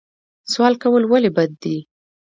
سوال کول ولې بد دي؟